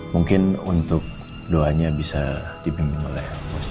mungkin untuk doanya bisa dibimbing oleh allah swt